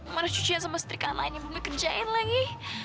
mana cucian sama setrika lain yang belum dikejahin lagi